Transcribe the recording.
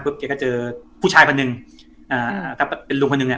แกก็เจอผู้ชายคนหนึ่งอ่าก็เป็นลุงคนหนึ่งเนี่ย